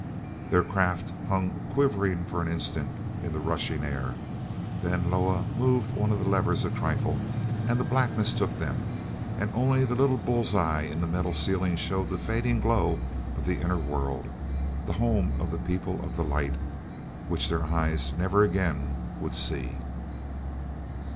Their craft hung quivering for an instant in the rushing air; then Loah moved one of the levers a trifle and the blackness took them, and only the little bull's eyes in the metal ceiling showed the fading glow of the Inner World, the home of the People of the Light, which their eyes never again would see.